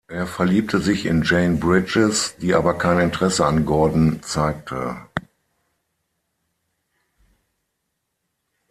Er verliebte sich in Jane Brydges, die aber kein Interesse an Gordon zeigte.